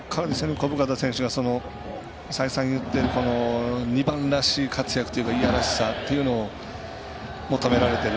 小深田選手が再三言っているこの２番らしい活躍というかいやらしさというのを求められている